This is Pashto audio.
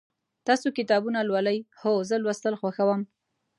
تاسو کتابونه لولئ؟ هو، زه لوستل خوښوم